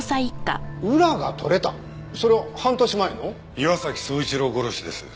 岩崎宗一郎殺しです。